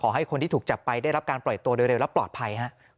ให้คนที่ถูกจับไปได้รับการปล่อยตัวเร็วและปลอดภัยครับ